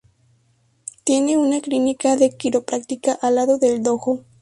Tiene una clínica de quiropráctica al lado del dojo.